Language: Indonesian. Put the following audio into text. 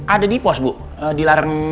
ada di pos bu dilarang dibawa ke dalam sama pak bos